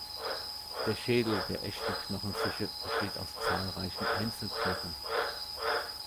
Der Schädel der Echten Knochenfische besteht aus zahlreichen Einzelknochen.